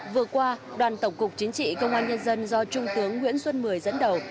vừa qua đoàn tổng cục chính trị công an nhân dân do trung tướng nguyễn xuân mười dẫn đầu